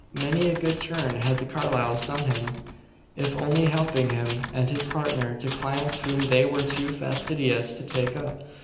Many a good turn had the Carlyles done him, if only helping him and his partner to clients whom they were too fastidious to take up.